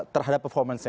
terhadap performance nya